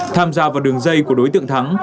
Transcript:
tham gia vào đường dây của đối tượng thắng